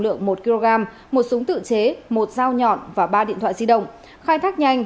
lượng một kg một súng tự chế một dao nhọn và ba điện thoại di động khai thác nhanh